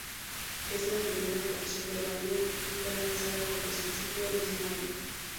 Es la primera canción del álbum y fue lanzada como sencillo el mismo año.